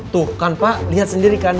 tuh kan pak lihat sendiri kan